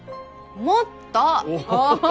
もっと！え？